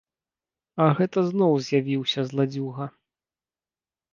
А гэта зноў явіўся зладзюга.